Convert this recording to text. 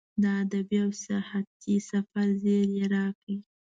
د ادبي او سیاحتي سفر زیری یې راکړ.